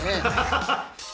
ハハハ！